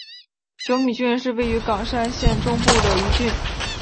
久米郡是位于冈山县中部的一郡。